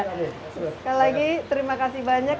sekali lagi terima kasih banyak